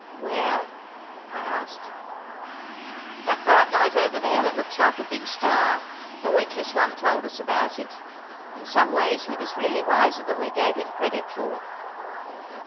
"Where?" I asked. "That bright light over there that looks like a big star. The Witless One told us about it. In some ways he was really wiser than we gave him credit for."